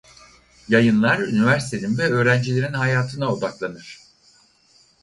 Yayınlar üniversitenin ve öğrencilerin hayatına odaklanır.